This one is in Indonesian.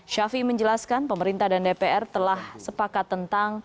syafie menjelaskan pemerintah dan dpr telah sepakat tentang